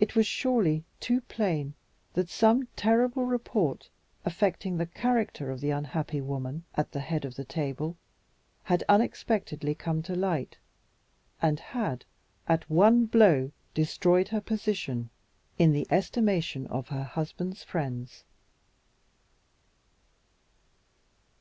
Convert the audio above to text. It was surely too plain that some terrible report, affecting the character of the unhappy woman at the head of the table, had unexpectedly come to light, and had at one blow destroyed her position in the estimation of her husband's friends.